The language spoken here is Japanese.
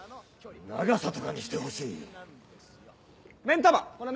長さとかにしてほしい。